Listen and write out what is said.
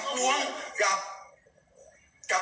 มึงเหรอ